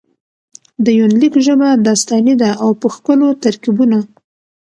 د يونليک ژبه داستاني ده او په ښکلو ترکيبونه.